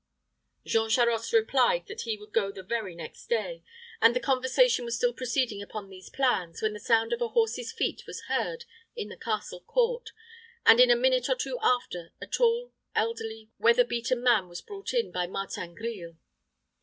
Jean Charost replied that he would go the very next day; and the conversation was still proceeding upon these plans, when the sound of a horse's feet was heard in the castle court, and in a minute or two after, a tall, elderly weather beaten man was brought in by Martin Grille.